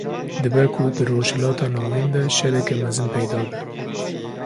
Dibe ku di rojhilata navîn de şereke mezin peyda be